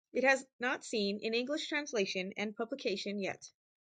It has not seen an English translation and publication yet.